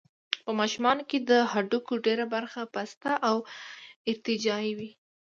په ماشومانو کې د هډوکو ډېره برخه پسته او ارتجاعي وي.